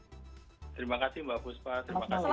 terima kasih mbak fusfa terima kasih pak alphonse